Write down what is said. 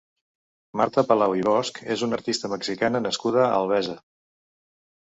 Marta Palau i Bosch és una artista mexicana nascuda a Albesa.